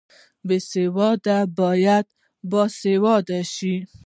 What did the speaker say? بې سواده باید باسواده شي